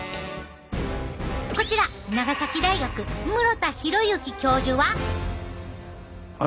こちら長崎大学室田浩之教授は？